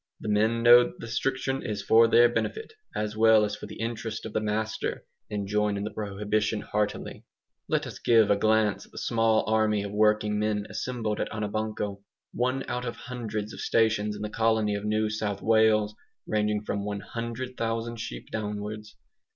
The men know that the restriction is for their benefit, as well as for the interest of the master, and join in the prohibition heartily. Let us give a glance at the small army of working men assembled at Anabanco one out of hundreds of stations in the colony of New South Wales, ranging from 100,000 sheep downwards.